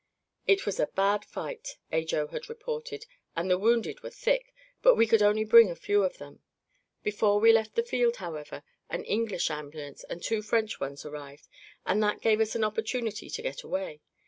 "It was a bad fight," Ajo had reported, "and the wounded were thick, but we could only bring a few of them. Before we left the field, however, an English ambulance and two French ones arrived, and that gave us an opportunity to get away.